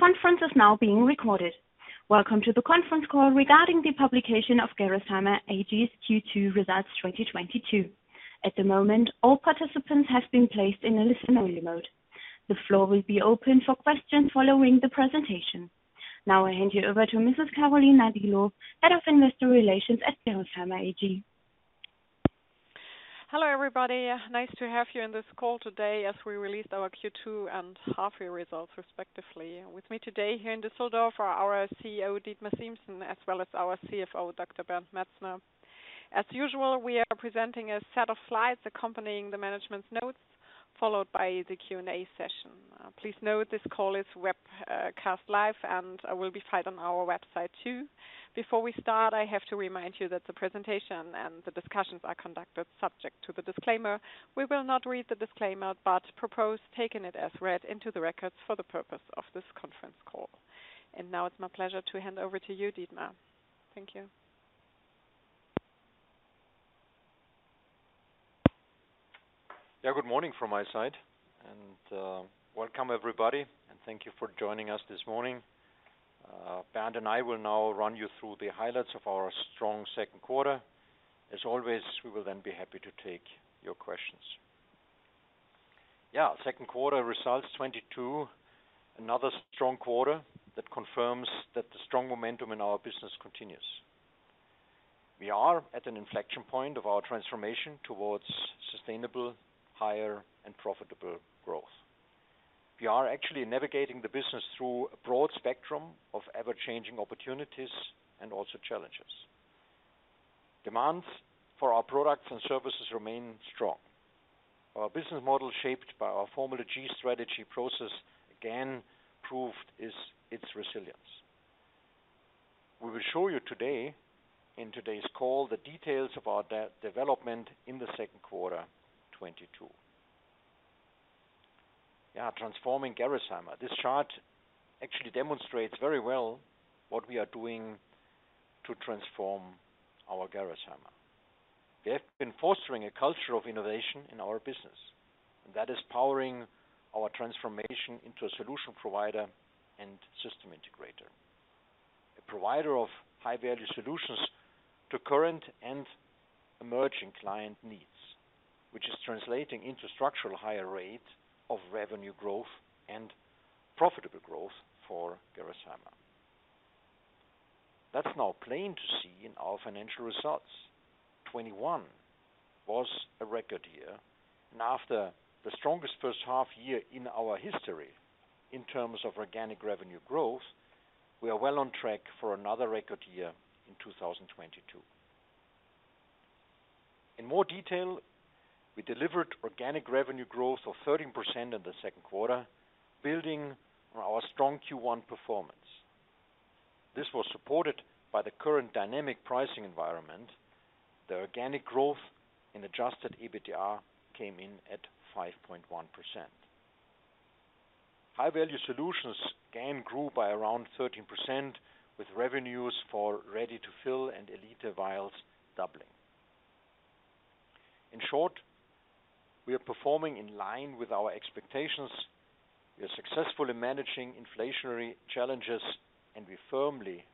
The conference is now being recorded. Welcome to the conference call regarding the Publication of Gerresheimer AG's Q2 Results, 2022. At the moment, all participants have been placed in a listen-only mode. The floor will be open for questions following the presentation. Now I hand you over to Mrs. Carolin Nadilo, Head of Investor Relations at Gerresheimer AG. Hello, everybody. Nice to have you on this call today as we release our Q2 and half-year results, respectively. With me today here in Düsseldorf are our CEO, Dietmar Siemssen, as well as our CFO, Dr. Bernd Metzner. As usual, we are presenting a set of slides accompanying the management's notes, followed by the Q&A session. Please note this call is webcast live and will be found on our website too. Before we start, I have to remind you that the presentation and the discussions are conducted subject to the disclaimer. We will not read the disclaimer, but propose taking it as read into the records for the purpose of this conference call. Now it's my pleasure to hand over to you, Dietmar. Thank you. Good morning from my side, and welcome everybody, and thank you for joining us this morning. Bernd and I will now run you through the highlights of our strong second quarter. As always, we will then be happy to take your questions. Second quarter results 2022. Another strong quarter that confirms that the strong momentum in our business continues. We are at an inflection point of our transformation towards sustainable, higher, and profitable growth. We are actually navigating the business through a broad spectrum of ever-changing opportunities and also challenges. Demand for our products and services remain strong. Our business model, shaped by our Formula G strategy process, again proved its resilience. We will show you today in today's call the details about that development in the second quarter 2022. Transforming Gerresheimer. This chart actually demonstrates very well what we are doing to transform our Gerresheimer. We have been fostering a culture of innovation in our business, and that is powering our transformation into a solution provider and system integrator. A provider of high-value solutions to current and emerging client needs, which is translating into structural higher rate of revenue growth and profitable growth for Gerresheimer. That's now plain to see in our financial results. 2021 was a record year. After the strongest first half year in our history in terms of organic revenue growth, we are well on track for another record year in 2022. In more detail, we delivered organic revenue growth of 13% in the second quarter, building on our strong Q1 performance. This was supported by the current dynamic pricing environment. The organic growth in adjusted EBITDA came in at 5.1%. High Value Solutions again grew by around 13%, with revenues for Ready-to-Fill and Elite vials doubling. In short, we are performing in line with our expectations. We are successfully managing inflationary challenges, and we are firmly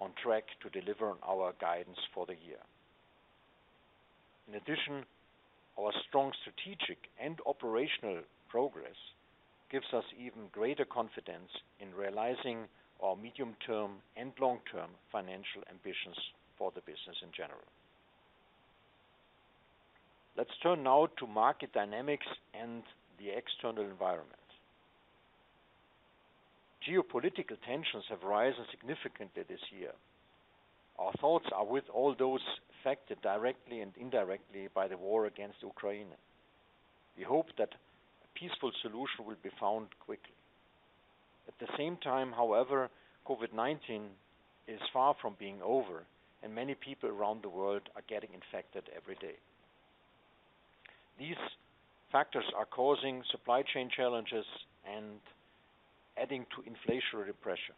on track to deliver on our guidance for the year. In addition, our strong strategic and operational progress gives us even greater confidence in realizing our medium-term and long-term financial ambitions for the business in general. Let's turn now to market dynamics and the external environment. Geopolitical tensions have risen significantly this year. Our thoughts are with all those affected directly and indirectly by the war against Ukraine. We hope that a peaceful solution will be found quickly. At the same time, however, COVID-19 is far from being over, and many people around the world are getting infected every day. These factors are causing supply chain challenges and adding to inflationary pressure.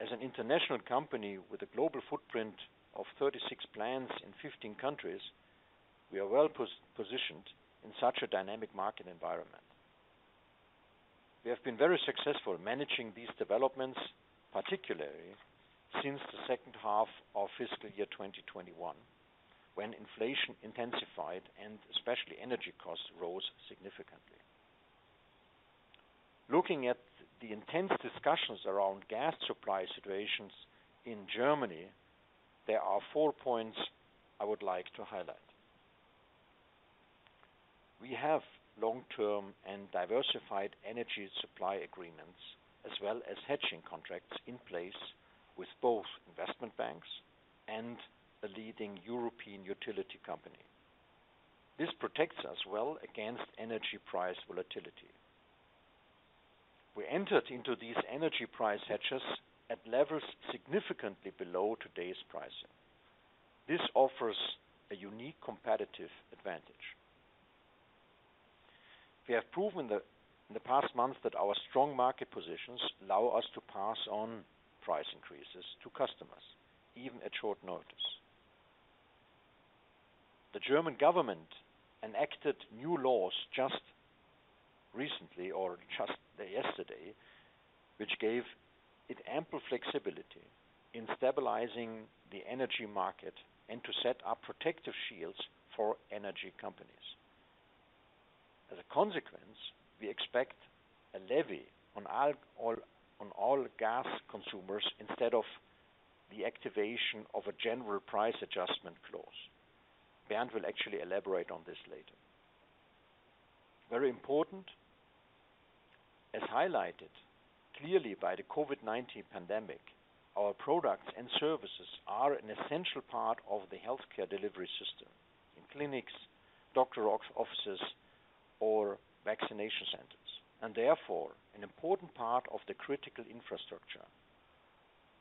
As an international company with a global footprint of 36 plants in 15 countries, we are well positioned in such a dynamic market environment. We have been very successful managing these developments, particularly since the second half of fiscal year 2021, when inflation intensified and especially energy costs rose significantly. Looking at the intense discussions around gas supply situations in Germany, there are four points I would like to highlight. We have long-term and diversified energy supply agreements as well as hedging contracts in place with both investment banks and a leading European utility company. This protects us well against energy price volatility. We entered into these energy price hedges at levels significantly below today's pricing. This offers a unique competitive advantage. We have proven the past month that our strong market positions allow us to pass on price increases to customers, even at short notice. The German government enacted new laws just recently or just yesterday, which gave it ample flexibility in stabilizing the energy market and to set up protective shields for energy companies. As a consequence, we expect a levy on all gas consumers instead of the activation of a general price adjustment clause. Bernd will actually elaborate on this later. Very important, as highlighted clearly by the COVID-19 pandemic, our products and services are an essential part of the healthcare delivery system in clinics, doctor's offices or vaccination centers, and therefore an important part of the critical infrastructure.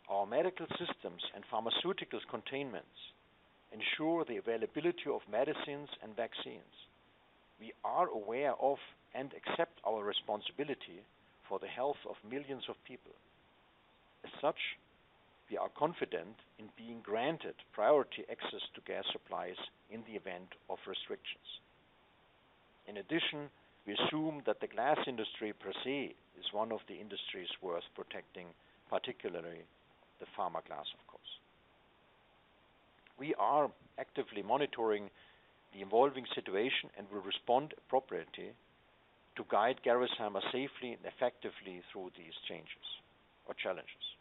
Our medical systems and pharmaceutical containments ensure the availability of medicines and vaccines. We are aware of and accept our responsibility for the health of millions of people. As such, we are confident in being granted priority access to gas supplies in the event of restrictions. In addition, we assume that the glass industry per se is one of the industries worth protecting, particularly the pharma glass, of course. We are actively monitoring the evolving situation and will respond appropriately to guide Gerresheimer safely and effectively through these changes or challenges.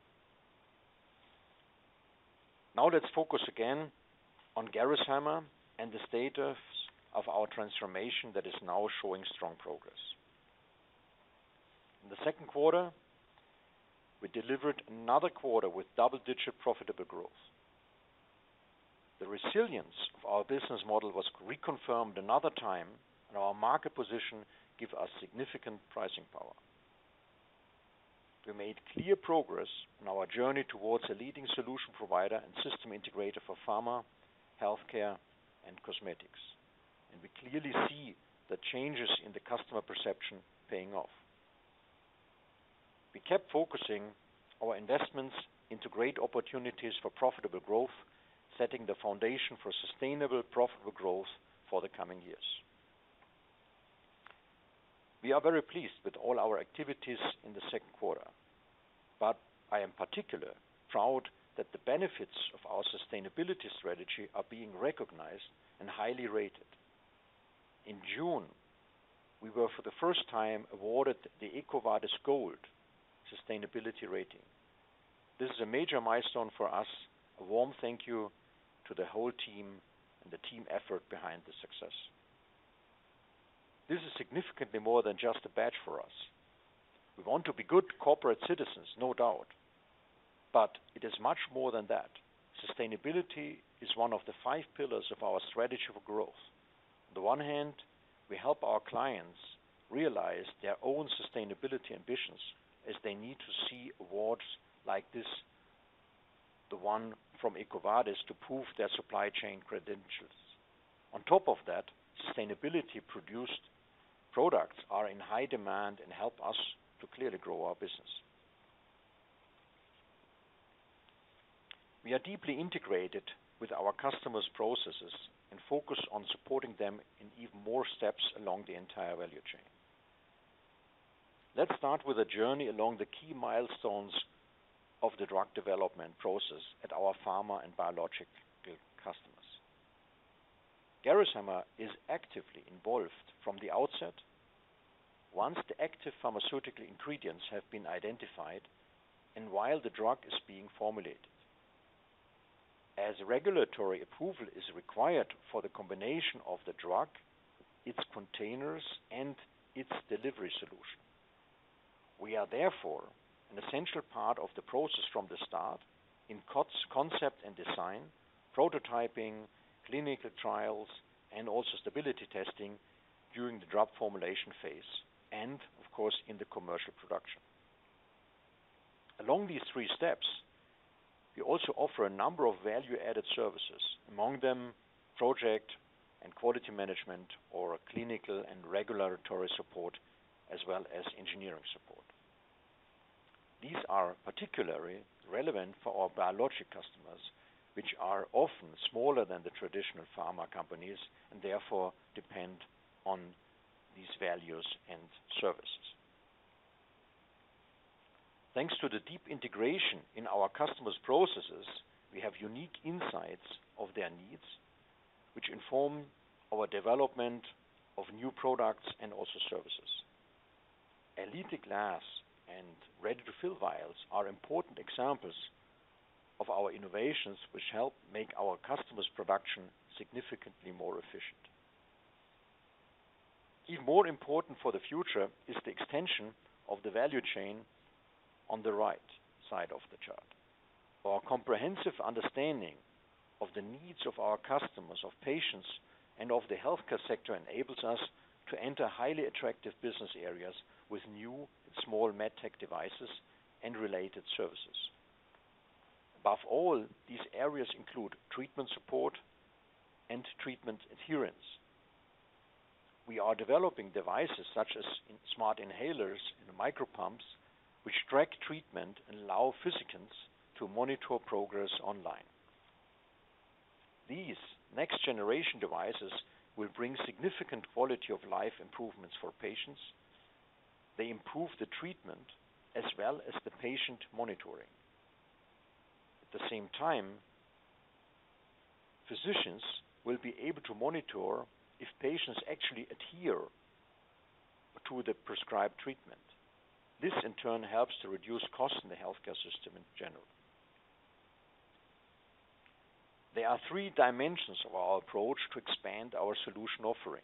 Now let's focus again on Gerresheimer and the status of our transformation that is now showing strong progress. In the second quarter, we delivered another quarter with double-digit profitable growth. The resilience of our business model was reconfirmed another time, and our market position gives us significant pricing power. We made clear progress on our journey towards a leading solution provider and system integrator for pharma, healthcare, and cosmetics. We clearly see the changes in the customer perception paying off. We kept focusing our investments into great opportunities for profitable growth, setting the foundation for sustainable, profitable growth for the coming years. We are very pleased with all our activities in the second quarter, but I am particularly proud that the benefits of our sustainability strategy are being recognized and highly rated. In June, we were for the first time awarded the EcoVadis Gold sustainability rating. This is a major milestone for us. A warm thank you to the whole team and the team effort behind the success. This is significantly more than just a badge for us. We want to be good corporate citizens, no doubt, but it is much more than that. Sustainability is one of the five pillars of our strategy for growth. On the one hand, we help our clients realize their own sustainability ambitions as they need to see awards like this, the one from EcoVadis, to prove their supply chain credentials. On top of that, sustainability produced products are in high demand and help us to clearly grow our business. We are deeply integrated with our customers' processes and focus on supporting them in even more steps along the entire value chain. Let's start with a journey along the key milestones of the drug development process at our pharma and biologic customers. Gerresheimer is actively involved from the outset once the active pharmaceutical ingredients have been identified and while the drug is being formulated. As regulatory approval is required for the combination of the drug, its containers, and its delivery solution. We are therefore an essential part of the process from the start in concept and design, prototyping, clinical trials, and also stability testing during the drug formulation phase and of course in the commercial production. Along these three steps, we also offer a number of value-added services, among them project and quality management or clinical and regulatory support as well as engineering support. These are particularly relevant for our biologic customers, which are often smaller than the traditional pharma companies and therefore depend on these values and services. Thanks to the deep integration in our customers' processes, we have unique insights of their needs, which inform our development of new products and also services. Elite Glass and Ready-to-Fill vials are important examples of our innovations which help make our customers' production significantly more efficient. Even more important for the future is the extension of the value chain on the right side of the chart. Our comprehensive understanding of the needs of our customers, of patients, and of the healthcare sector enables us to enter highly attractive business areas with new small med tech devices and related services. Above all, these areas include treatment support and treatment adherence. We are developing devices such as smart inhalers and micro pumps which track treatment and allow physicians to monitor progress online. These next generation devices will bring significant quality of life improvements for patients. They improve the treatment as well as the patient monitoring. At the same time, physicians will be able to monitor if patients actually adhere to the prescribed treatment. This in turn helps to reduce costs in the healthcare system in general. There are three dimensions of our approach to expand our solution offering.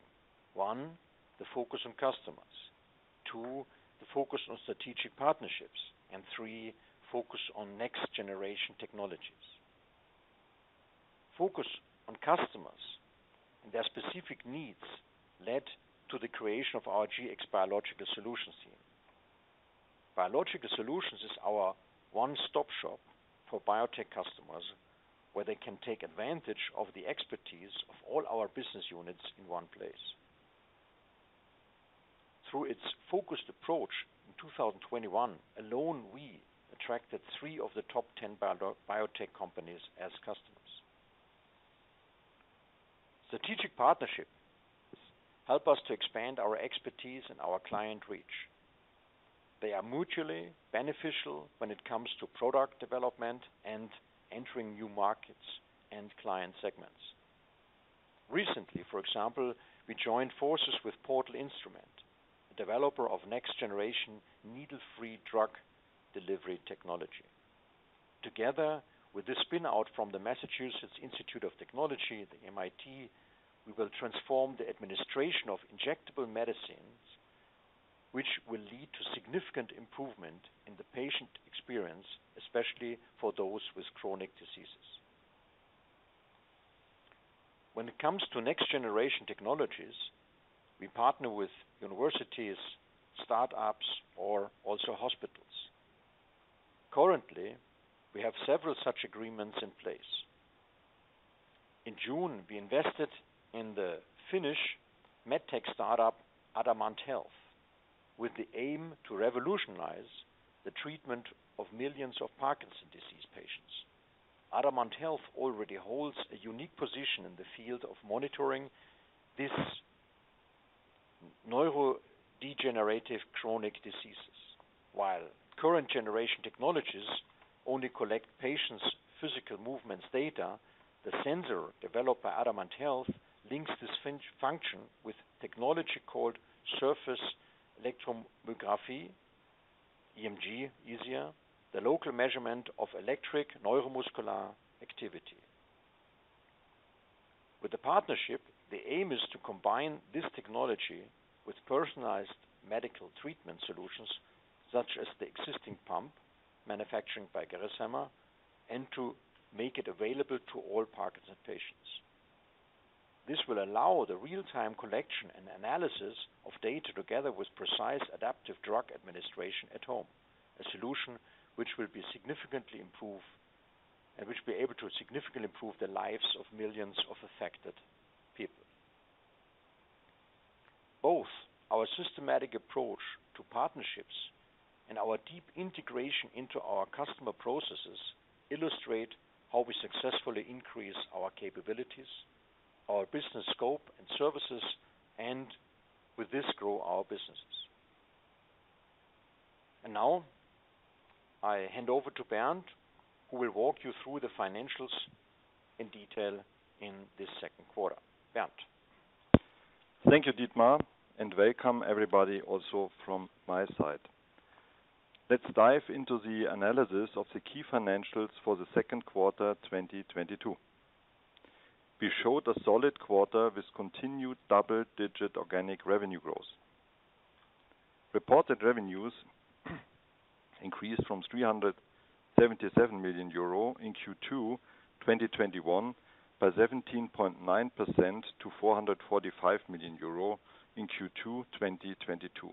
One, the focus on customers. Two, the focus on strategic partnerships. Three, focus on next-generation technologies. Focus on customers and their specific needs led to the creation of our Gx Biological Solutions team. Biological Solutions is our one-stop shop for biotech customers, where they can take advantage of the expertise of all our business units in one place. Through its focused approach, in 2021 alone, we attracted three of the top 10 biotech companies as customers. Strategic partnerships help us to expand our expertise and our client reach. They are mutually beneficial when it comes to product development and entering new markets and client segments. Recently, for example, we joined forces with Portal Instruments, a developer of next-generation needle-free drug delivery technology. Together with the spin-out from the Massachusetts Institute of Technology, the MIT, we will transform the administration of injectable medicines, which will lead to significant improvement in the patient experience, especially for those with chronic diseases. When it comes to next-generation technologies, we partner with universities, startups or also hospitals. Currently, we have several such agreements in place. In June, we invested in the Finnish MedTech startup, Adamant Health, with the aim to revolutionize the treatment of millions of Parkinson's disease patients. Adamant Health already holds a unique position in the field of monitoring these neurodegenerative chronic diseases. While current generation technologies only collect patients' physical movements data, the sensor developed by Adamant Health links this function with technology called surface electromyography, sEMG, the local measurement of electrical neuromuscular activity. With the partnership, the aim is to combine this technology with personalized medical treatment solutions such as the existing pump manufactured by Gerresheimer and to make it available to all Parkinson patients. This will allow the real-time collection and analysis of data together with precise adaptive drug administration at home, a solution which will be able to significantly improve the lives of millions of affected people. Both our systematic approach to partnerships and our deep integration into our customer processes illustrate how we successfully increase our capabilities, our business scope and services, and with this, grow our businesses. Now I hand over to Bernd, who will walk you through the financials in detail in this second quarter. Bernd. Thank you, Dietmar, and welcome everybody also from my side. Let's dive into the analysis of the key financials for the second quarter 2022. We showed a solid quarter with continued double-digit organic revenue growth. Reported revenues increased from 377 million euro in Q2 2021 by 17.9% to 445 million euro in Q2 2022.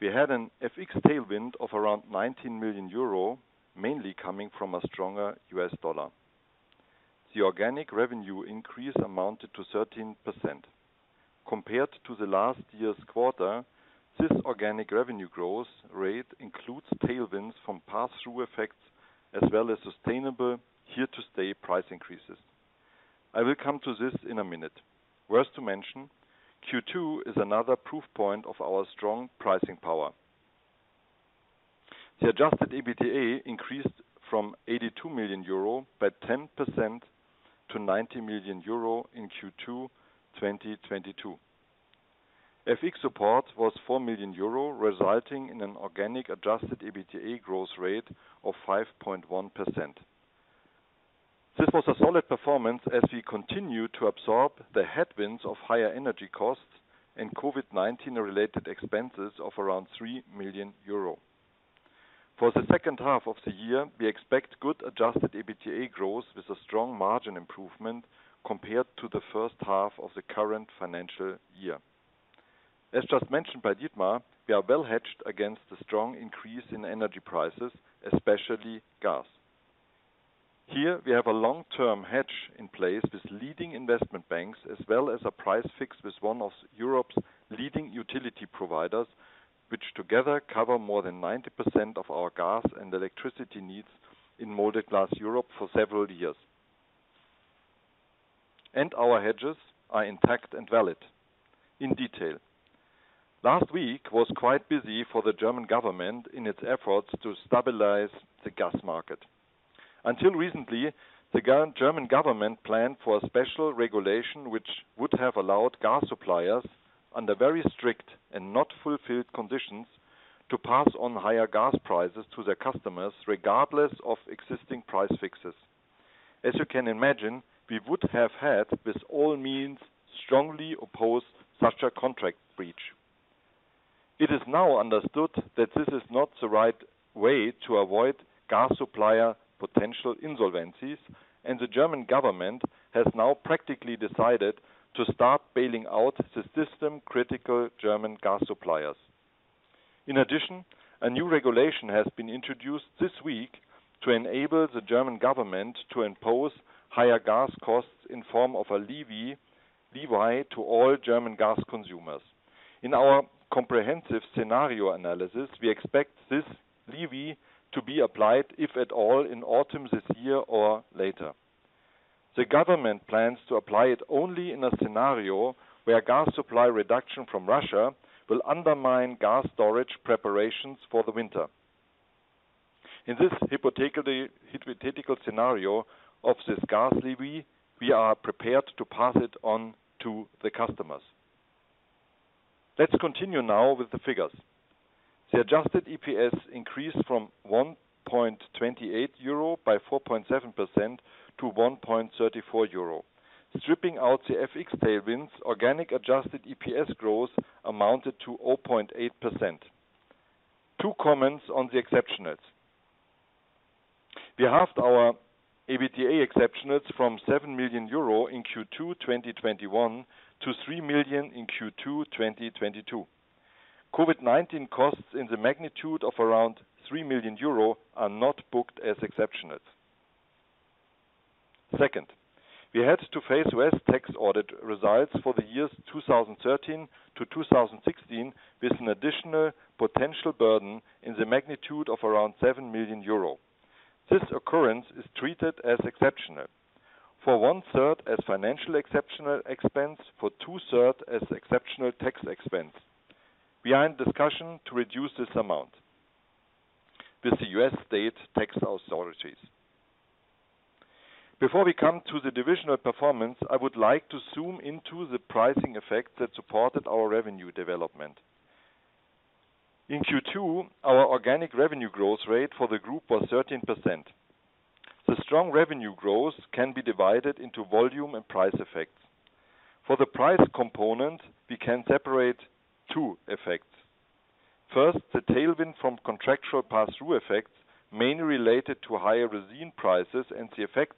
We had an FX tailwind of around 19 million euro, mainly coming from a stronger U.S. dollar. The organic revenue increase amounted to 13%. Compared to the last year's quarter, this organic revenue growth rate includes tailwinds from passthrough effects as well as sustainable here to stay price increases. I will come to this in a minute. Worth to mention, Q2 is another proof point of our strong pricing power. The adjusted EBITDA increased from 82 million euro by 10% to 90 million euro in Q2 2022. FX support was 4 million euro, resulting in an organic adjusted EBITDA growth rate of 5.1%. This was a solid performance as we continue to absorb the headwinds of higher energy costs and COVID-19 related expenses of around 3 million euro. For the second half of the year, we expect good adjusted EBITDA growth with a strong margin improvement compared to the first half of the current financial year. As just mentioned by Dietmar, we are well hedged against the strong increase in energy prices, especially gas. Here we have a long-term hedge in place with leading investment banks as well as a price fix with one of Europe's leading utility providers, which together cover more than 90% of our gas and electricity needs in molded glass Europe for several years. Our hedges are intact and valid. In detail, last week was quite busy for the German government in its efforts to stabilize the gas market. Until recently, the German government planned for a special regulation which would have allowed gas suppliers under very strict and not fulfilled conditions to pass on higher gas prices to their customers, regardless of existing price fixes. As you can imagine, we would have had, with all means, strongly opposed such a contract breach. It is now understood that this is not the right way to avoid gas supplier potential insolvencies, and the German government has now practically decided to start bailing out the system-critical German gas suppliers. In addition, a new regulation has been introduced this week to enable the German government to impose higher gas costs in form of a levy to all German gas consumers. In our comprehensive scenario analysis, we expect this levy to be applied, if at all, in autumn this year or later. The government plans to apply it only in a scenario where gas supply reduction from Russia will undermine gas storage preparations for the winter. In this hypothetical scenario of this gas levy, we are prepared to pass it on to the customers. Let's continue now with the figures. The adjusted EPS increased from 1.28 euro by 4.7% to 1.34 euro. Stripping out the FX tailwinds, organic adjusted EPS growth amounted to 0.8%. Two comments on the exceptionals. We halved our EBITDA exceptionals from 7 million euro in Q2 2021 to 3 million in Q2 2022. COVID-19 costs in the magnitude of around 3 million euro are not booked as exceptionals. Second, we had to face U.S. tax audit results for the years 2013 to 2016, with an additional potential burden in the magnitude of around 7 million euro. This occurrence is treated as exceptional. For one-third as financial exceptional expense, for two-thirds as exceptional tax expense. We are in discussion to reduce this amount with the U.S. state tax authorities. Before we come to the divisional performance, I would like to zoom into the pricing effects that supported our revenue development. In Q2, our organic revenue growth rate for the group was 13%. The strong revenue growth can be divided into volume and price effects. For the price component, we can separate two effects. First, the tailwind from contractual pass-through effects, mainly related to higher resin prices and their effects.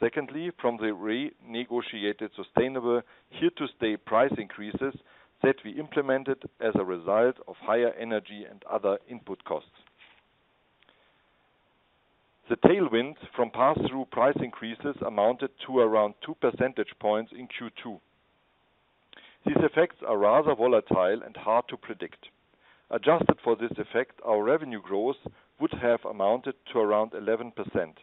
Secondly, from the renegotiated sustainable here to stay price increases that we implemented as a result of higher energy and other input costs. The tailwinds from pass-through price increases amounted to around 2 percentage points in Q2. These effects are rather volatile and hard to predict. Adjusted for this effect, our revenue growth would have amounted to around 11%.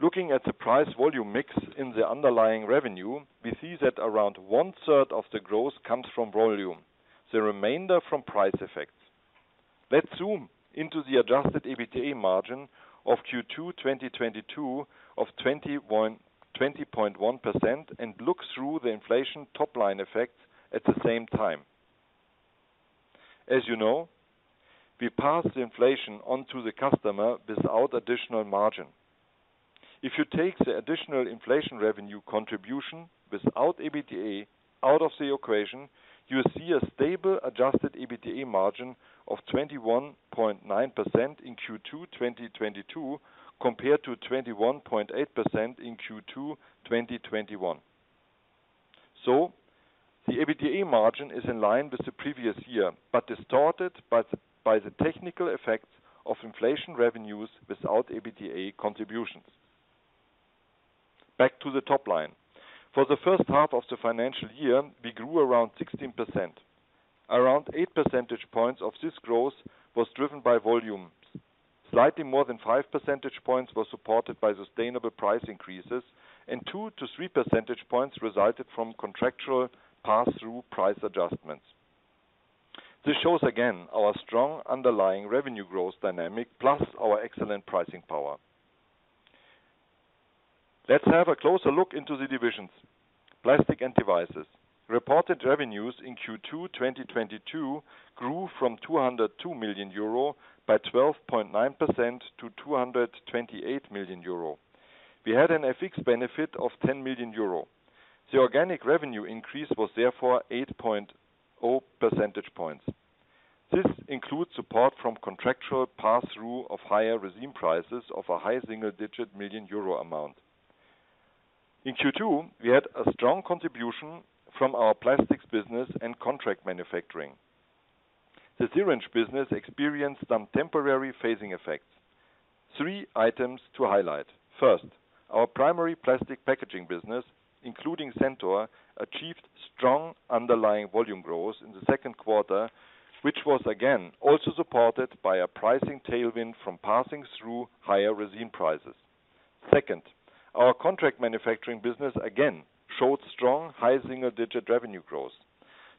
Looking at the price-volume mix in the underlying revenue, we see that around 1/3 of the growth comes from volume, the remainder from price effects. Let's zoom into the adjusted EBITDA margin of Q2 2022 of 20.1% and look through the inflation top-line effects at the same time. As you know, we pass the inflation on to the customer without additional margin. If you take the additional inflation revenue contribution without EBITDA out of the equation, you see a stable adjusted EBITDA margin of 21.9% in Q2 2022 compared to 21.8% in Q2 2021. The EBITDA margin is in line with the previous year, but distorted by the technical effects of inflation revenues without EBITDA contributions. Back to the top line. For the first half of the financial year, we grew around 16%. Around 8 percentage points of this growth was driven by volume. Slightly more than 5 percentage points were supported by sustainable price increases, and 2-3 percentage points resulted from contractual pass-through price adjustments. This shows again our strong underlying revenue growth dynamic plus our excellent pricing power. Let's have a closer look into the divisions. Plastics and Devices. Reported revenues in Q2 2022 grew from 202 million euro by 12.9% to 228 million euro. We had an FX benefit of 10 million euro. The organic revenue increase was therefore 8.0 percentage points. This includes support from contractual pass-through of higher resin prices of a high single-digit million euro amount. In Q2, we had a strong contribution from our plastics business and contract manufacturing. The syringe business experienced some temporary phasing effects. Three items to highlight. First, our primary plastic packaging business, including Centor, achieved strong underlying volume growth in the second quarter, which was again also supported by a pricing tailwind from passing through higher resin prices. Second, our contract manufacturing business again showed strong high single-digit revenue growth.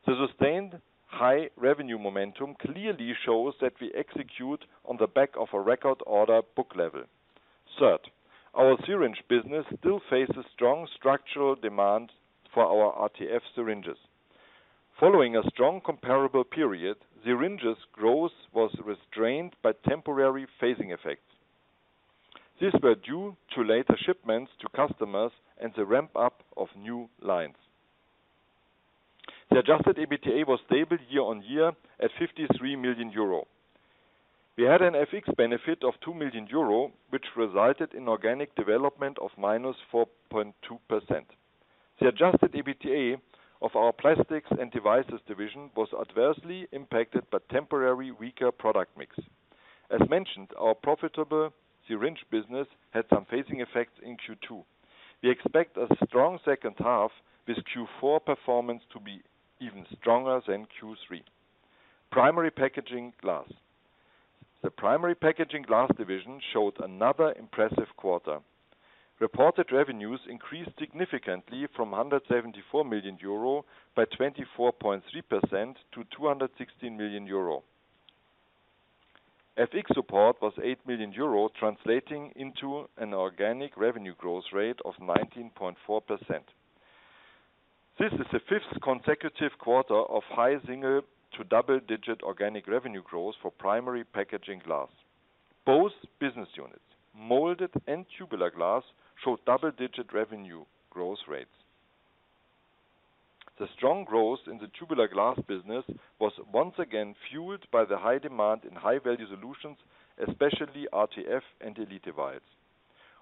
The sustained high revenue momentum clearly shows that we execute on the back of a record order book level. Third, our syringe business still faces strong structural demand for our RTF syringes. Following a strong comparable period, syringes growth was restrained by temporary phasing effects. These were due to later shipments to customers and the ramp-up of new lines. The adjusted EBITDA was stable year-on-year at 53 million euro. We had an FX benefit of 2 million euro, which resulted in organic development of -4.2%. The adjusted EBITDA of our Plastics and Devices division was adversely impacted by temporary weaker product mix. As mentioned, our profitable syringe business had some phasing effects in Q2. We expect a strong second half, with Q4 performance to be even stronger than Q3. Primary Packaging Glass. The Primary Packaging Glass division showed another impressive quarter. Reported revenues increased significantly from 174 million euro by 24.3% to 216 million euro. FX support was 8 million euro, translating into an organic revenue growth rate of 19.4%. This is the fifth consecutive quarter of high single- to double-digit organic revenue growth for Primary Packaging Glass. Both business units, molded and tubular glass, showed double-digit revenue growth rates. The strong growth in the tubular glass business was once again fueled by the high demand in High Value Solutions, especially RTF and Elite devices.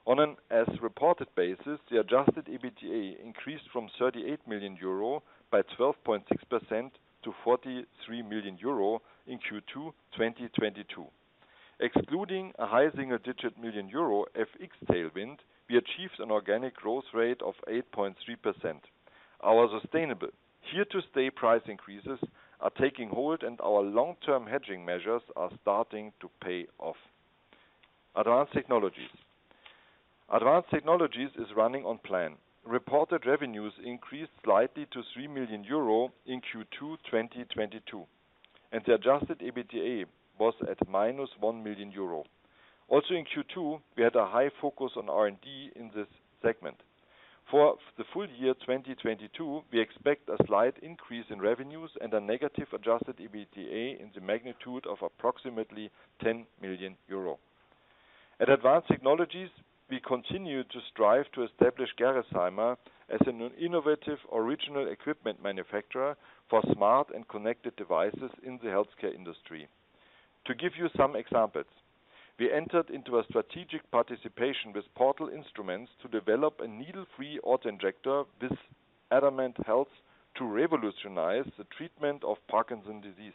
On an as-reported basis, the adjusted EBITDA increased from 38 million euro by 12.6% to 43 million euro in Q2 2022. Excluding a high single-digit million EUR FX tailwind, we achieved an organic growth rate of 8.3%. Our sustainable here to stay price increases are taking hold, and our long-term hedging measures are starting to pay off. Advanced Technologies. Advanced Technologies is running on plan. Reported revenues increased slightly to 3 million euro in Q2 2022, and the adjusted EBITDA was at -1 million euro. Also in Q2, we had a high focus on R&D in this segment. For the full year 2022, we expect a slight increase in revenues and a negative adjusted EBITDA in the magnitude of approximately 10 million euro. At Advanced Technologies, we continue to strive to establish Gerresheimer as an innovative original equipment manufacturer for smart and connected devices in the healthcare industry. To give you some examples, we entered into a strategic participation with Portal Instruments to develop a needle-free autoinjector with Adamant Health to revolutionize the treatment of Parkinson's disease.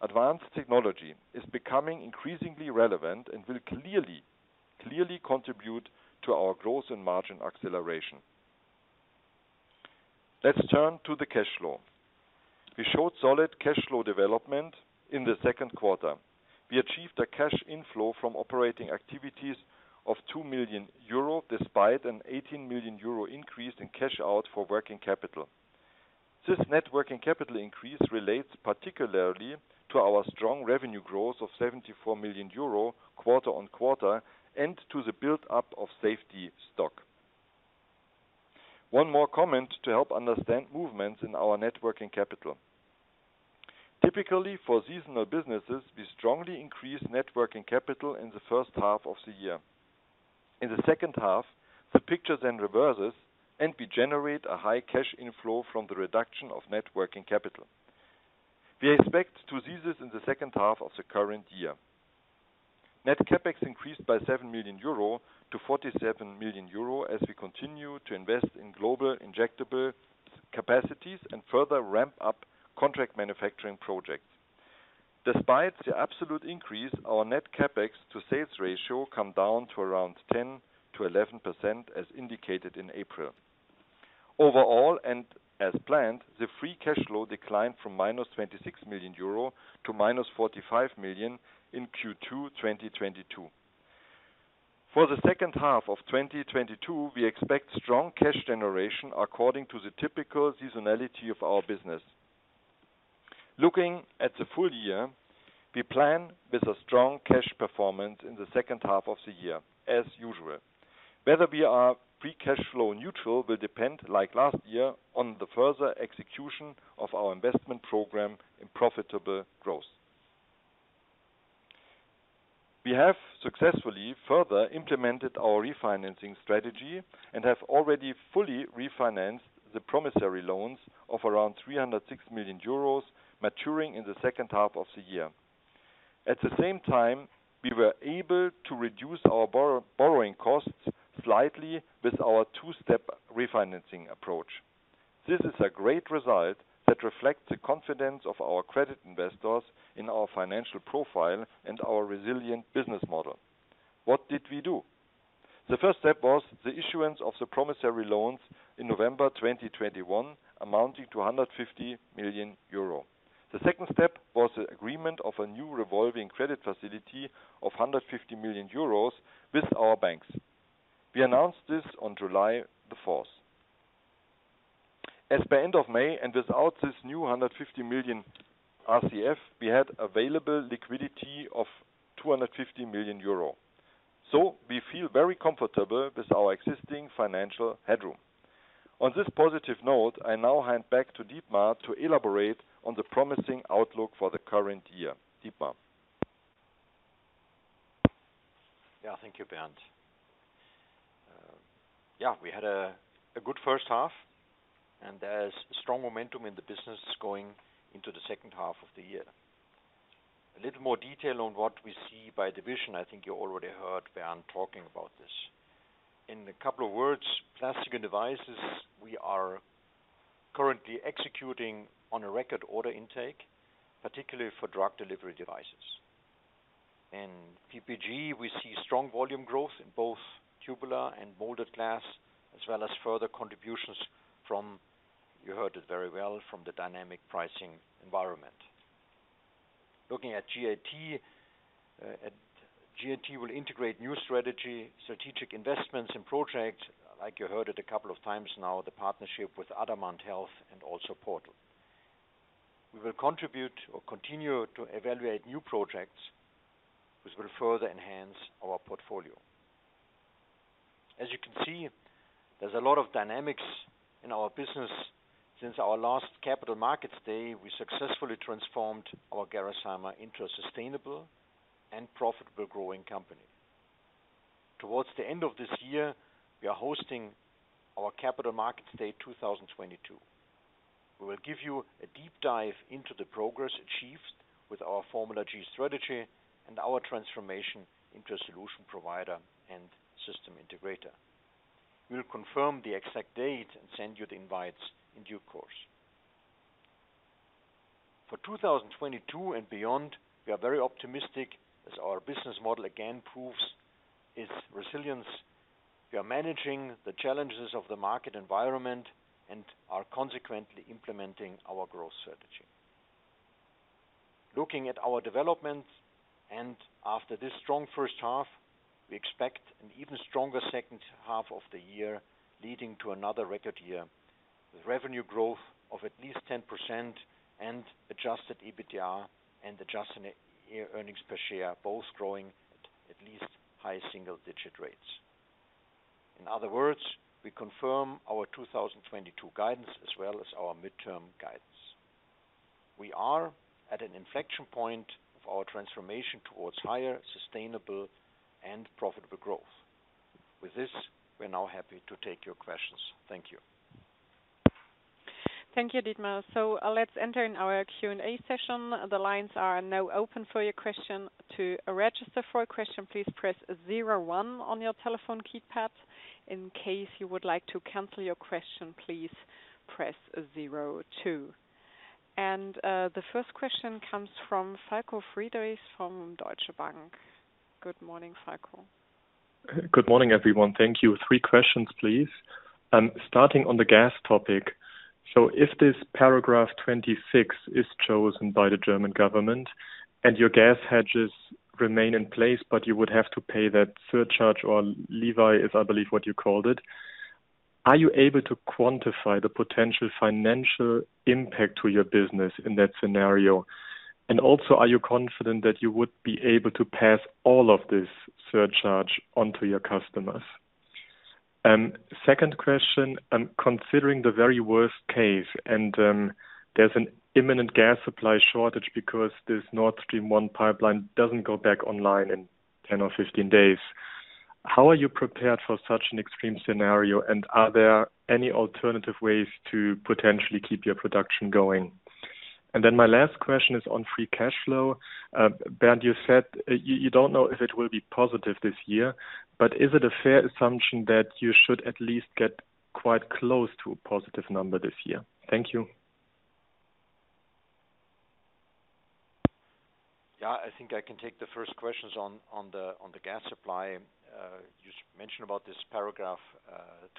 Advanced Technologies is becoming increasingly relevant and will clearly contribute to our growth and margin acceleration. Let's turn to the cash flow. We showed solid cash flow development in the second quarter. We achieved a cash inflow from operating activities of 2 million euro, despite an 18 million euro increase in cash out for working capital. This net working capital increase relates particularly to our strong revenue growth of 74 million euro quarter-on-quarter and to the build-up of safety stock. One more comment to help understand movements in our net working capital. Typically, for seasonal businesses, we strongly increase net working capital in the first half of the year. In the second half, the picture then reverses, and we generate a high cash inflow from the reduction of net working capital. We expect to see this in the second half of the current year. Net CapEx increased by 7 million euro to 47 million euro as we continue to invest in global injectable capacities and further ramp up contract manufacturing projects. Despite the absolute increase, our net CapEx to sales ratio come down to around 10%-11%, as indicated in April. Overall, as planned, the free cash flow declined from -26 million euro to -45 million in Q2 2022. For the second half of 2022, we expect strong cash generation according to the typical seasonality of our business. Looking at the full year, we plan with a strong cash performance in the second half of the year, as usual. Whether we are free cash flow neutral will depend, like last year, on the further execution of our investment program in profitable growth. We have successfully further implemented our refinancing strategy and have already fully refinanced the promissory loans of around 306 million euros maturing in the second half of the year. At the same time, we were able to reduce our borrowing costs slightly with our two-step refinancing approach. This is a great result that reflects the confidence of our credit investors in our financial profile and our resilient business model. What did we do? The first step was the issuance of the promissory loans in November 2021 amounting to 150 million euro. The second step was the agreement of a new revolving credit facility of 150 million euros with our banks. We announced this on July the 4th. As of end of May, and without this new 150 million RCF, we had available liquidity of 250 million euro. We feel very comfortable with our existing financial headroom. On this positive note, I now hand back to Dietmar to elaborate on the promising outlook for the current year. Dietmar. Yeah. Thank you, Bernd. We had a good first half, and there's strong momentum in the business going into the second half of the year. A little more detail on what we see by division. I think you already heard Bernd talking about this. In a couple of words, Plastics & Devices, we are currently executing on a record order intake, particularly for drug delivery devices. In PPG, we see strong volume growth in both tubular and molded glass, as well as further contributions from, you heard it very well, from the dynamic pricing environment. Looking at GAT, GAT will integrate new strategy, strategic investments and projects, like you heard it a couple of times now, the partnership with Adamant Health and also Portal. We will contribute or continue to evaluate new projects, which will further enhance our portfolio. As you can see, there's a lot of dynamics in our business. Since our last Capital Markets Day, we successfully transformed our Gerresheimer into a sustainable and profitable growing company. Towards the end of this year, we are hosting our Capital Markets Day 2022. We will give you a deep dive into the progress achieved with our Formula G strategy and our transformation into a solution provider and system integrator. We'll confirm the exact date and send you the invites in due course. For 2022 and beyond, we are very optimistic as our business model again proves its resilience. We are managing the challenges of the market environment and are consequently implementing our growth strategy. Looking at our developments and after this strong first half, we expect an even stronger second half of the year, leading to another record year with revenue growth of at least 10% and adjusted EBITDA and adjusted earnings per share, both growing at least high single-digit rates. In other words, we confirm our 2022 guidance as well as our midterm guidance. We are at an inflection point of our transformation towards higher, sustainable and profitable growth. With this, we're now happy to take your questions. Thank you. Thank you, Dietmar. Let's enter in our Q&A session. The lines are now open for your question. To register for a question, please press zero one on your telephone keypad. In case you would like to cancel your question, please press zero two. The first question comes from Falko Friedrichs from Deutsche Bank. Good morning, Falko. Good morning, everyone. Thank you. Three questions, please. Starting on the gas topic. If this Paragraph 26 is chosen by the German government and your gas hedges remain in place, but you would have to pay that surcharge or levy, is, I believe, what you called it, are you able to quantify the potential financial impact to your business in that scenario? Also, are you confident that you would be able to pass all of this surcharge on to your customers? Second question, considering the very worst case and, there's an imminent gas supply shortage because this Nord Stream 1 pipeline doesn't go back online in 10 or 15 days. How are you prepared for such an extreme scenario, and are there any alternative ways to potentially keep your production going? Then my last question is on free cash flow. Bernd, you said you don't know if it will be positive this year, but is it a fair assumption that you should at least get quite close to a positive number this year? Thank you. Yeah. I think I can take the first questions on the gas supply. You mentioned about this Paragraph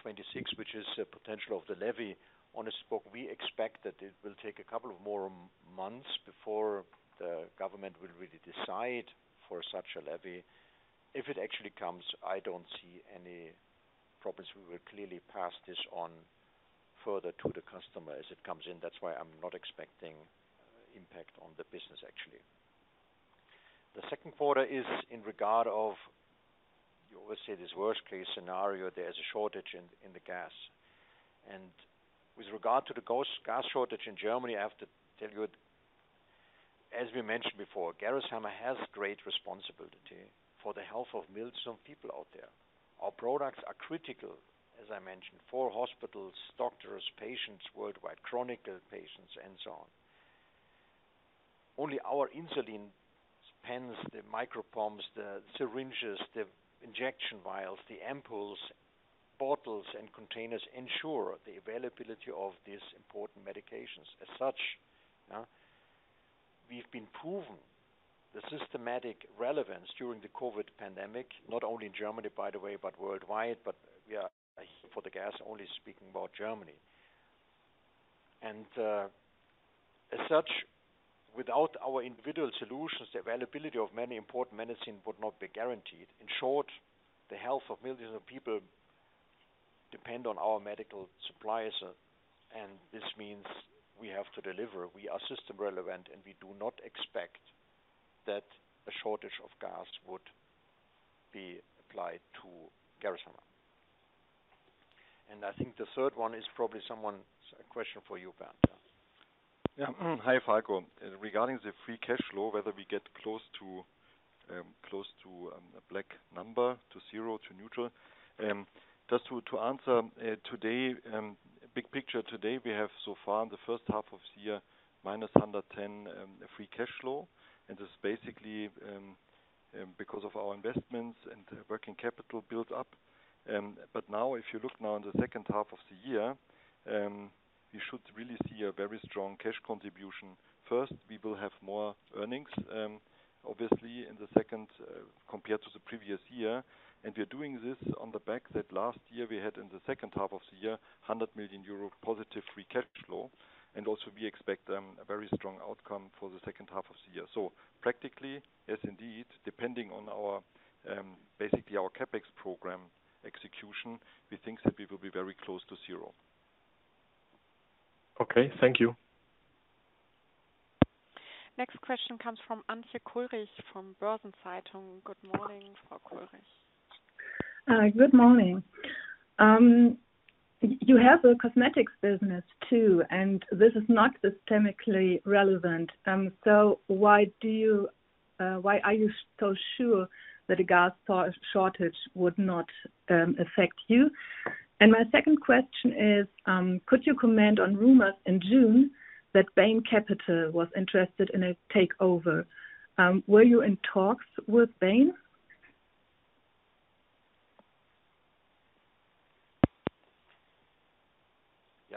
26, which is a potential of the levy. Honestly, we expect that it will take a couple of more months before the government will really decide for such a levy. If it actually comes, I don't see any problems. We will clearly pass this on further to the customer as it comes in. That's why I'm not expecting impact on the business, actually. The second quarter is in regard of. You always say this worst case scenario, there's a shortage in the gas. With regard to the gas shortage in Germany, I have to tell you, as we mentioned before, Gerresheimer has great responsibility for the health of millions of people out there. Our products are critical, as I mentioned, for hospitals, doctors, patients worldwide, chronic patients and so on. Only our insulin pens, the micro pumps, the syringes, the injection vials, the ampoules, bottles and containers ensure the availability of these important medications. As such, we have proven the systemic relevance during the COVID-19 pandemic, not only in Germany, by the way, but worldwide. We are, for the gas, only speaking about Germany. As such, without our individual solutions, the availability of many important medicines would not be guaranteed. In short, the health of millions of people depends on our medical supplies, and this means we have to deliver. We are system relevant, and we do not expect that a shortage of gas would be applied to Gerresheimer. I think the third one is probably a question for you, Bernd, yeah. Yeah. Hi, Falko. Regarding the free cash flow, whether we get close to a black number, to zero, to neutral. Just to answer today, big picture today, we have so far in the first half of the year, -110 free cash flow. This is basically because of our investments and working capital build up. Now if you look in the second half of the year, you should really see a very strong cash contribution. First, we will have more earnings obviously in the second half compared to the previous year. We are doing this on the back of that last year we had in the second half of the year, 100 million euro positive free cash flow. Also we expect a very strong outcome for the second half of the year. Practically, yes, indeed, depending on basically our CapEx program execution, we think that we will be very close to zero. Okay. Thank you. Next question comes from Antje Kullrich from Börsen-Zeitung. Good morning, Frau Kullrich. Good morning. You have a cosmetics business, too, and this is not systemically relevant. Why are you so sure that a gas shortage would not affect you? My second question is, could you comment on rumors in June that Bain Capital was interested in a takeover? Were you in talks with Bain?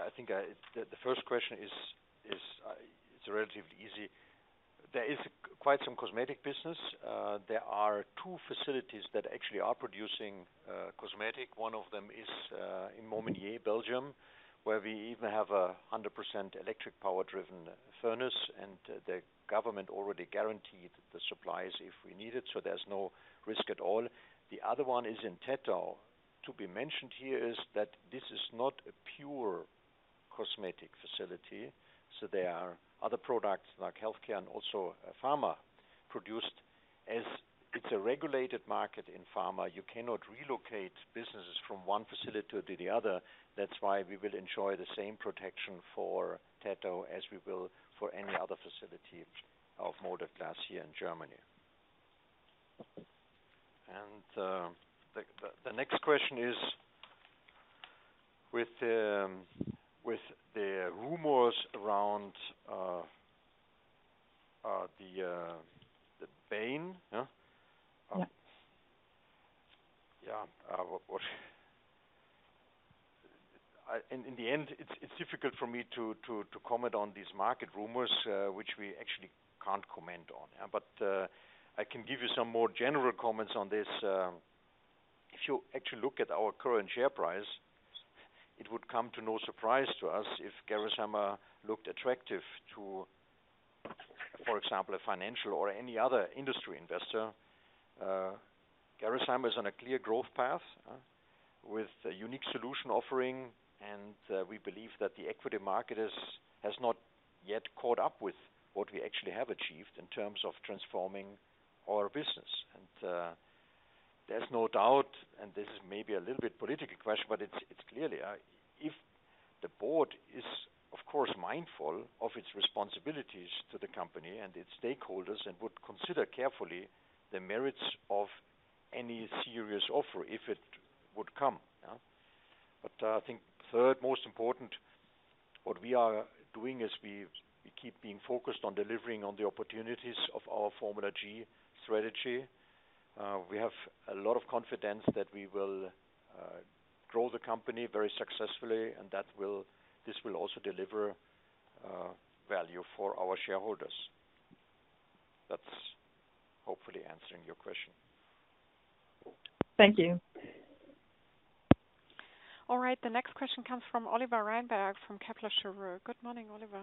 Yeah, I think the first question is relatively easy. There is quite some cosmetics business. There are two facilities that actually are producing cosmetics. One of them is in Momignies, Belgium, where we even have a 100% electric power-driven furnace, and the government already guaranteed the supplies if we need it, so there's no risk at all. The other one is in Tettau. To be mentioned here is that this is not a pure cosmetics facility, so there are other products like healthcare and also pharma produced. As it's a regulated market in pharma, you cannot relocate businesses from one facility to the other. That's why we will enjoy the same protection for Tettau as we will for any other facility of Moulded Glass here in Germany. The next question is with the rumors around the Bain, yeah? Yeah. In the end, it's difficult for me to comment on these market rumors, which we actually can't comment on. I can give you some more general comments on this. If you actually look at our current share price, it would come to no surprise to us if Gerresheimer looked attractive to, for example, a financial or any other industry investor. Gerresheimer is on a clear growth path with a unique solution offering, and we believe that the equity market has not yet caught up with what we actually have achieved in terms of transforming our business. There's no doubt, and this is maybe a little bit political question, but it's clearly if the board is, of course, mindful of its responsibilities to the company and its stakeholders and would consider carefully the merits of any serious offer if it would come. Yeah. I think third most important, what we are doing is we keep being focused on delivering on the opportunities of our Formula G strategy. We have a lot of confidence that we will grow the company very successfully, and this will also deliver value for our shareholders. That's hopefully answering your question. Thank you. All right. The next question comes from Oliver Reinberg from Kepler Cheuvreux. Good morning, Oliver.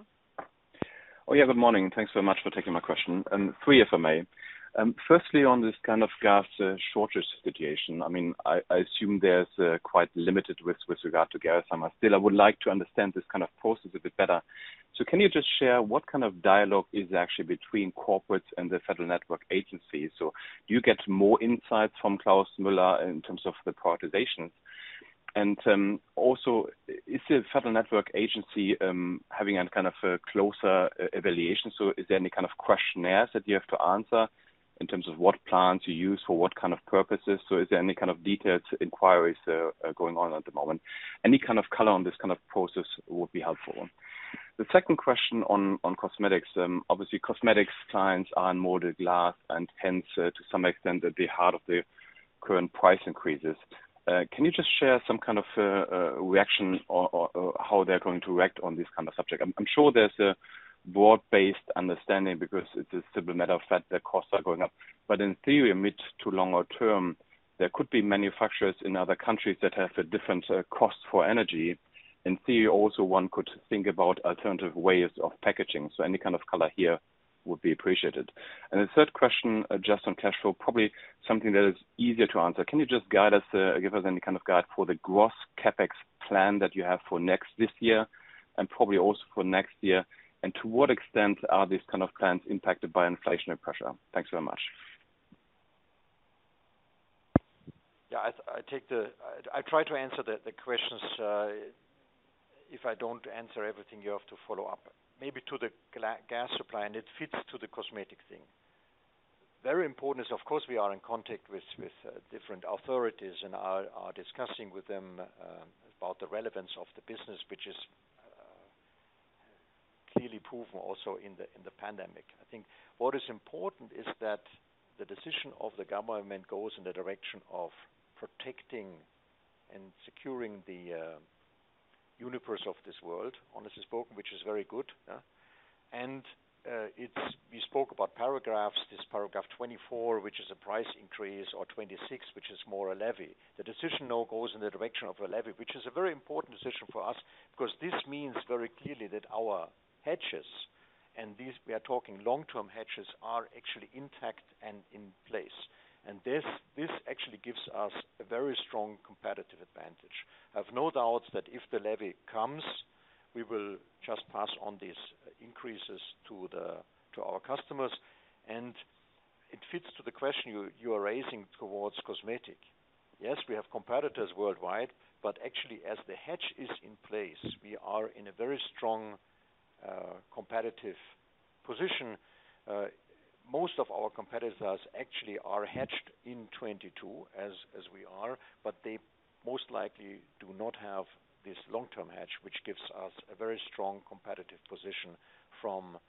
Oh, yeah, good morning. Thanks so much for taking my question. Three, if I may. Firstly, on this kind of gas shortage situation, I mean, I assume there's quite limited risk with regard to Gerresheimer. Still, I would like to understand this kind of process a bit better. Can you just share what kind of dialogue is actually between corporates and the Federal Network Agency? Do you get more insights from Klaus Müller in terms of the prioritizations? Also, is the Federal Network Agency having any kind of a closer evaluation? Is there any kind of questionnaires that you have to answer in terms of what plants you use for what kind of purposes? Is there any kind of detailed inquiries going on at the moment? Any kind of color on this kind of process would be helpful. The second question on cosmetics, obviously cosmetics clients are molded glass and hence, to some extent at the heart of the current price increases. Can you just share some kind of reaction or how they're going to react on this kind of subject? I'm sure there's a broad-based understanding because it's a simple matter of fact, the costs are going up. In theory, mid to longer term, there could be manufacturers in other countries that have a different cost for energy. In theory, also one could think about alternative ways of packaging. Any kind of color here would be appreciated. The third question, just on cash flow, probably something that is easier to answer. Can you just guide us, give us any kind of guide for the gross CapEx plan that you have for this year and probably also for next year? To what extent are these kind of plans impacted by inflationary pressure? Thanks very much. I try to answer the questions. If I don't answer everything, you have to follow up. Maybe to the gas supply, and it fits to the cosmetic thing. Very important is of course, we are in contact with different authorities and are discussing with them about the relevance of the business, which is clearly proven also in the pandemic. I think what is important is that the decision of the government goes in the direction of protecting and securing the universe of this world, honestly spoken, which is very good. We spoke about paragraphs, this Paragraph 24, which is a price increase, or 26, which is more a levy. The decision now goes in the direction of a levy, which is a very important decision for us because this means very clearly that our hedges, and these, we are talking long-term hedges, are actually intact and in place. This actually gives us a very strong competitive advantage. I have no doubt that if the levy comes, we will just pass on these increases to our customers. It fits to the question you are raising towards cosmetics. Yes, we have competitors worldwide, but actually, as the hedge is in place, we are in a very strong competitive position. Most of our competitors actually are hedged in 2022 as we are, but they most likely do not have this long-term hedge, which gives us a very strong competitive position from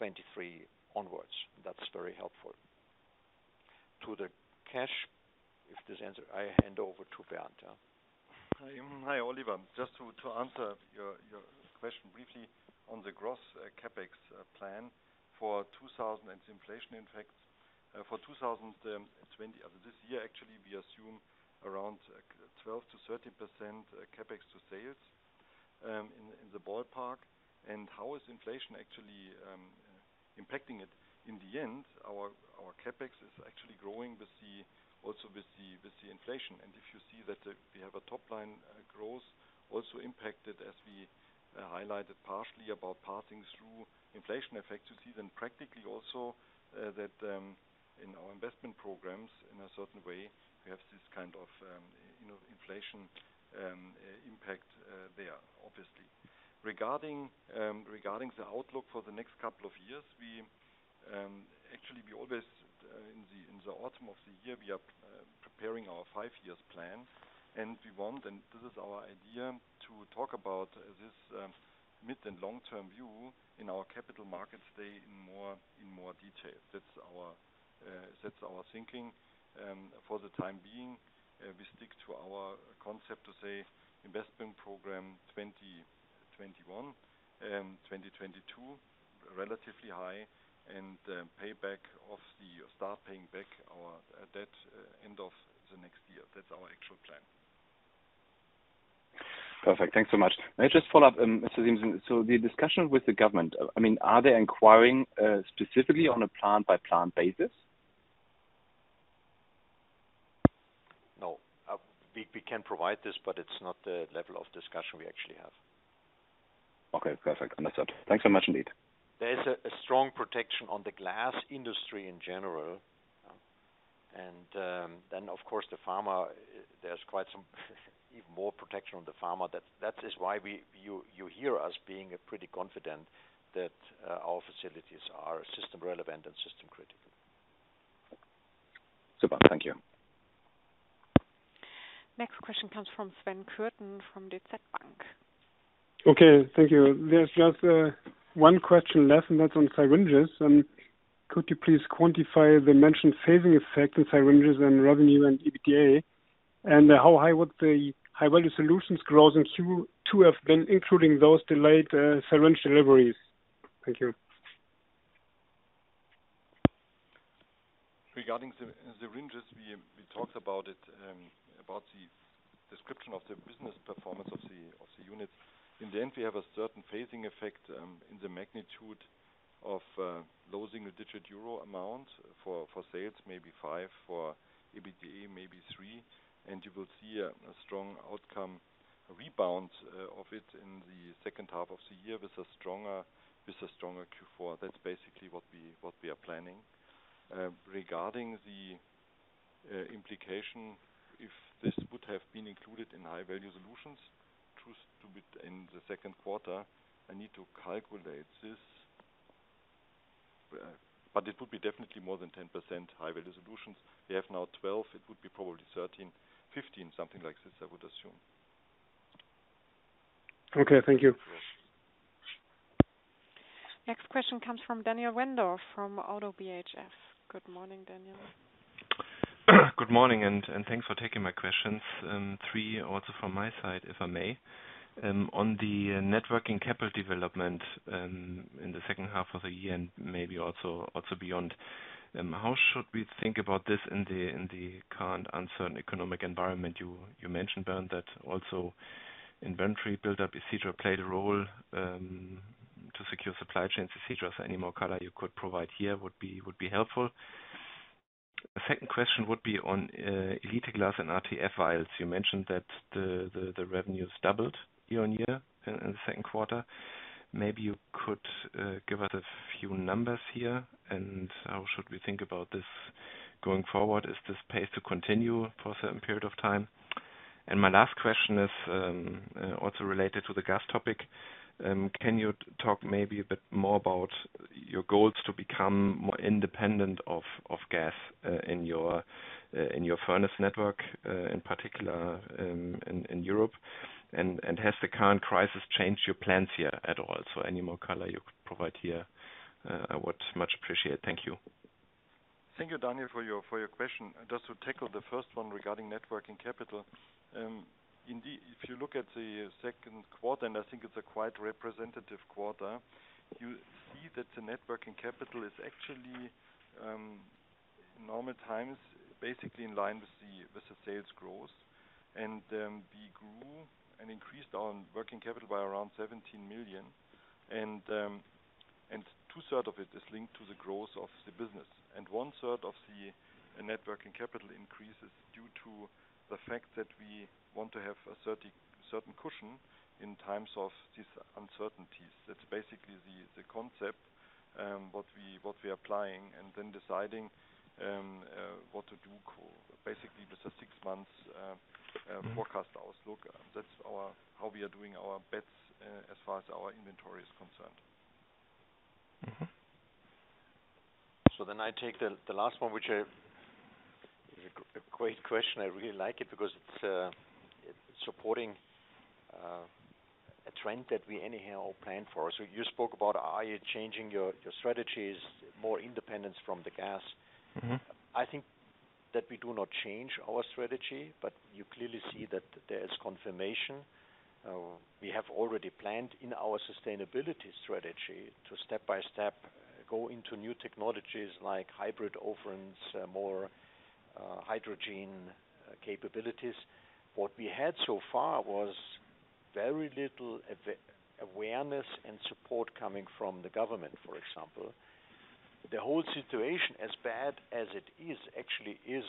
2023 onwards. That's very helpful. To the cash, if this answered, I hand over to Bernd. Hi. Hi, Oliver. Just to answer your question briefly on the gross CapEx plan for 2020 and it's inflation, in fact. For 2020 this year, actually, we assume around 12%-13% CapEx to sales in the ballpark. How is inflation actually impacting it? In the end, our CapEx is actually growing with the inflation. If you see that we have a top line growth also impacted as we highlighted partially about passing through inflation effect. You see then practically also that in our investment programs in a certain way we have this kind of you know inflation impact there obviously. Regarding the outlook for the next couple of years, we actually always in the autumn of the year we are preparing our five-year plan, and we want and this is our idea to talk about this mid- and long-term view in our Capital Markets Day in more detail. That's our thinking. For the time being, we stick to our concept to say investment program 2021, 2022, relatively high and start paying back our debt end of the next year. That's our actual plan. Perfect. Thanks so much. May I just follow up, Mr. Siemssen? The discussion with the government, I mean, are they inquiring specifically on a plant-by-plant basis? No. We can provide this, but it's not the level of discussion we actually have. Okay. Perfect. Understood. Thanks so much indeed. There is a strong protection on the glass industry in general. Of course the pharma, there's quite some even more protection on the pharma. That is why you hear us being pretty confident that our facilities are system relevant and system critical. Super. Thank you. Next question comes from Sven Kürten from DZ Bank. Okay. Thank you. There's just one question left, and that's on syringes. Could you please quantify the mentioned phasing effect in syringes and revenue and EBITDA? And how high would the High Value Solutions growth in Q2 have been, including those delayed syringe deliveries? Thank you. Regarding the syringes, we talked about it about the description of the business performance of the units. In the end, we have a certain phasing effect in the magnitude of low single-digit EUR amount for sales, maybe five for EBITDA, maybe three. You will see a strong outturn rebound of it in the second half of the year with a stronger Q4. That's basically what we are planning. Regarding the implication, if this would have been included in High Value Solutions, growth to be in the second quarter, I need to calculate this. But it would be definitely more than 10% High Value Solutions. We have now 12%, it would be probably 13%-15%, something like this, I would assume. Okay. Thank you. Next question comes from Daniel Wendorff from Oddo BHF. Good morning, Daniel. Good morning, and thanks for taking my questions. Three also from my side, if I may. On the net working capital development, in the second half of the year and maybe also beyond, how should we think about this in the current uncertain economic environment? You mentioned, Bernd, that also inventory build-up etc. played a role, to secure supply chains etc. Any more color you could provide here would be helpful. A second question would be on Elite Glass and RTF vials. You mentioned that the revenues doubled year-over-year in the second quarter. Maybe you could give us a few numbers here, and how should we think about this going forward? Is this pace to continue for a certain period of time? My last question is also related to the gas topic. Can you talk maybe a bit more about your goals to become more independent of gas in your furnace network, in particular, in Europe? Has the current crisis changed your plans here at all? Any more color you could provide here, I would much appreciate. Thank you. Thank you, Daniel, for your question. Just to tackle the first one regarding net working capital. Indeed, if you look at the second quarter, and I think it's a quite representative quarter, you see that the net working capital is actually in normal times basically in line with the sales growth. We grew and increased our working capital by around 17 million. Two-thirds of it is linked to the growth of the business. One-third of the net working capital increase is due to the fact that we want to have a certain cushion in times of these uncertainties. That's basically the concept what we applying and then deciding what to do. Basically, it's a six-month forecast outlook. That's how we are doing our bets, as far as our inventory is concerned. Mm-hmm. I take the last one, which is a great question. I really like it because it's supporting a trend that we anyhow planned for. You spoke about are you changing your strategies, more independence from the gas. Mm-hmm. I think that we do not change our strategy, but you clearly see that there is confirmation. We have already planned in our sustainability strategy to step-by-step go into new technologies like hybrid ovens, more hydrogen capabilities. What we had so far was very little awareness and support coming from the government, for example. The whole situation, as bad as it is, actually is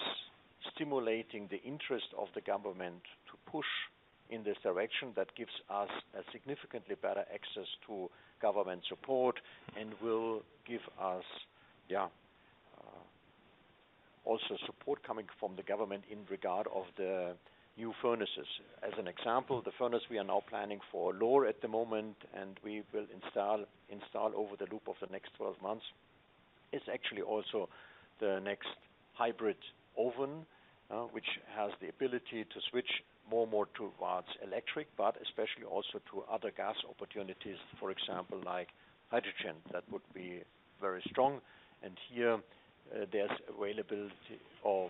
stimulating the interest of the government to push in this direction. That gives us a significantly better access to government support and will give us also support coming from the government in regard of the new furnaces. As an example, the furnace we are now planning for Lohr at the moment, and we will install over the course of the next 12 months, is actually also the next hybrid oven, which has the ability to switch more and more towards electric, but especially also to other gas opportunities, for example, like hydrogen. That would be very strong. Here, there's availability of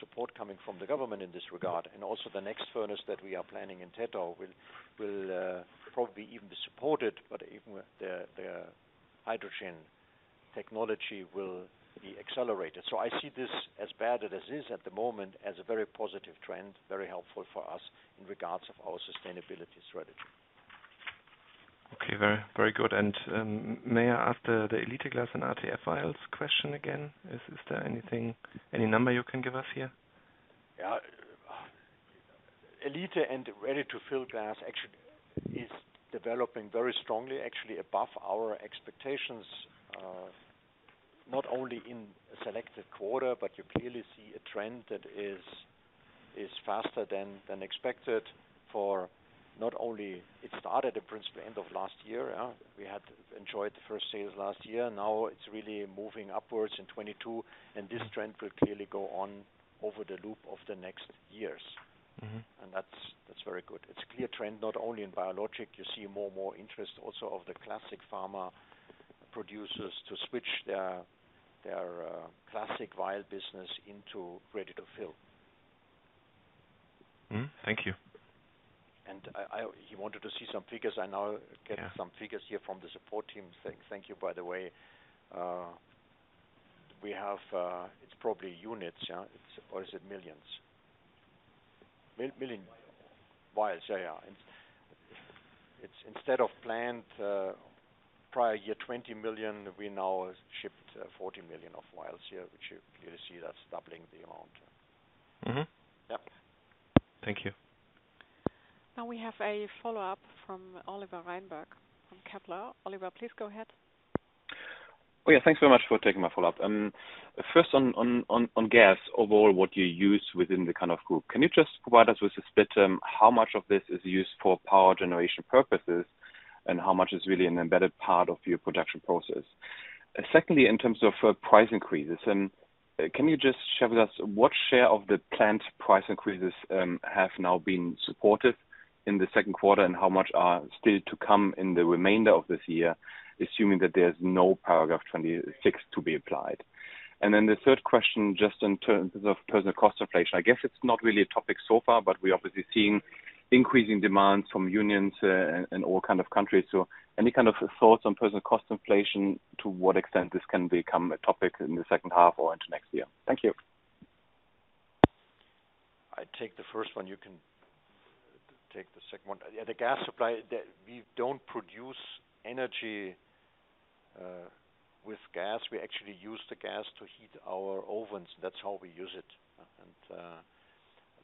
support coming from the government in this regard. Also the next furnace that we are planning in Tettau will probably even be supported, but even with the hydrogen technology will be accelerated. I see this, as bad as it is at the moment, as a very positive trend, very helpful for us in regards of our sustainability strategy. Okay. Very, very good. May I ask the Elite Glass and RTF vials question again? Is there anything, any number you can give us here? Yeah. Elite and Ready-to-Fill glass actually is developing very strongly, actually above our expectations, not only in a selected quarter, but you clearly see a trend that is faster than expected. It started at the end of last year. We had enjoyed the first sales last year. Now it's really moving upwards in 2022, and this trend will clearly go on over the course of the next years. Mm-hmm. That's very good. It's a clear trend, not only in biologics. You see more and more interest also of the classic pharma producers to switch their classic vial business into ready-to-fill. Mm-hmm. Thank you. You wanted to see some figures. I now get some figures here from the support team. Thank you, by the way. We have. It's probably units, yeah? Or is it millions? Vials. Vials. Yeah. It's instead of planned prior year 20 million, we now shipped 40 million vials here, which you clearly see that's doubling the amount. Mm-hmm. Yep. Thank you. Now we have a follow-up from Oliver Reinberg from Kepler. Oliver, please go ahead. Oh, yeah, thanks very much for taking my follow-up. First on gas, overall what you use within the kind of group. Can you just provide us with a split term, how much of this is used for power generation purposes and how much is really an embedded part of your production process? Secondly, in terms of price increases, can you just share with us what share of the planned price increases have now been supported in the second quarter and how much are still to come in the remainder of this year, assuming that there's no Paragraph 26 to be applied? Then the third question, just in terms of personnel cost inflation. I guess it's not really a topic so far, but we're obviously seeing increasing demands from unions in all kinds of countries. Any kind of thoughts on personnel cost inflation, to what extent this can become a topic in the second half or into next year? Thank you. I take the first one. You can take the second one. Yeah, the gas supply, we don't produce energy with gas. We actually use the gas to heat our ovens. That's how we use it.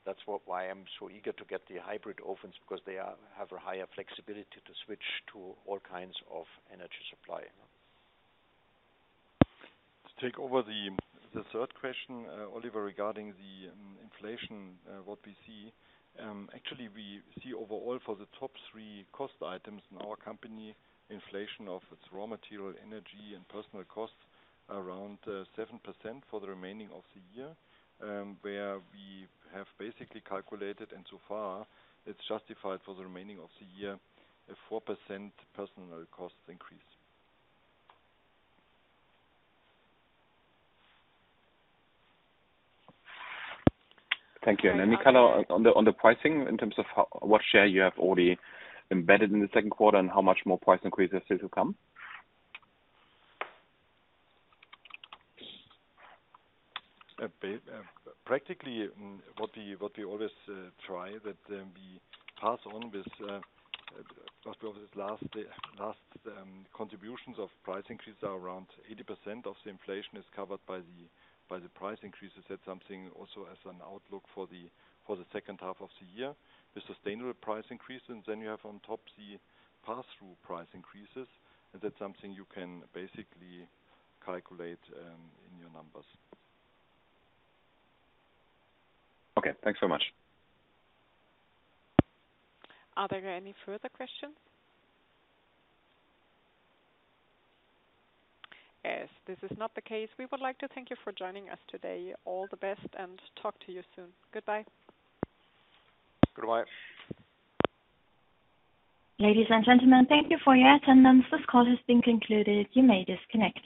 That's why I'm so eager to get the hybrid ovens because they have a higher flexibility to switch to all kinds of energy supply. To take over the third question, Oliver, regarding the inflation, what we see, actually, we see overall for the top three cost items in our company, inflation of its raw material, energy, and personnel costs around 7% for the remaining of the year, where we have basically calculated, and so far it's justified for the remaining of the year, a 4% personnel cost increase. Thank you. Any color on the pricing in terms of what share you have already embedded in the second quarter and how much more price increases are still to come? Practically what we always try that we pass on with after this last contributions of price increases are around 80% of the inflation is covered by the price increases. That's something also as an outlook for the second half of the year. The sustainable price increase, and then you have on top the pass-through price increases, and that's something you can basically calculate in your numbers. Okay, thanks so much. Are there any further questions? As this is not the case, we would like to thank you for joining us today. All the best and talk to you soon. Goodbye. Goodbye. Ladies and gentlemen, thank you for your attendance. This call has been concluded. You may disconnect.